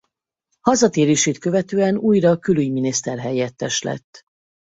Hazatérését követően újra külügyminiszter-helyettes lett.